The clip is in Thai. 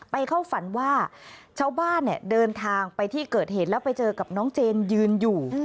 เข้าฝันว่าชาวบ้านเนี่ยเดินทางไปที่เกิดเหตุแล้วไปเจอกับน้องเจนยืนอยู่